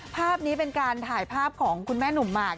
ภาพนี้เป็นการถ่ายภาพของคุณแม่หนุ่มหมาก